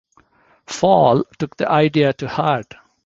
Fall took the idea to heart.